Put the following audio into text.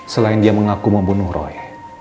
selain dia mengaku mau bunuh roy